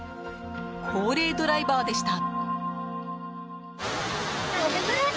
高齢ドライバーでした。